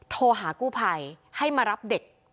โทรหากู้ภัยให้มารับเด็ก